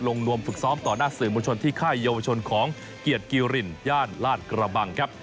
นวมฝึกซ้อมต่อหน้าสื่อมวลชนที่ค่ายเยาวชนของเกียรติกิรินย่านลาดกระบังครับ